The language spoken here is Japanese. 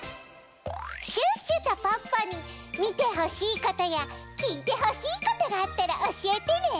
シュッシュとポッポにみてほしいことやきいてほしいことがあったらおしえてね！